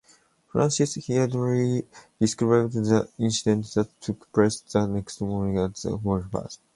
Francis Yeardley described the incident that took place the next morning at breakfast.